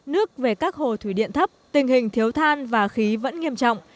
nước về các hồ thủy điện thấp tình hình thiếu than và khí vẫn nghiêm trọng